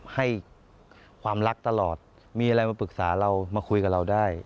ให้ความรักตลอดมีอะไรมาปรึกษาเรามาคุยกับเราได้